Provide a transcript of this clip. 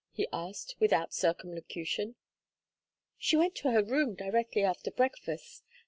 he asked, without circumlocution. "She went to her room directly after breakfast.